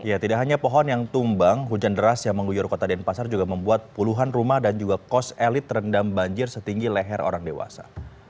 ya tidak hanya pohon yang tumbang hujan deras yang mengguyur kota denpasar juga membuat puluhan rumah dan juga kos elit terendam banjir setinggi leher orang dewasa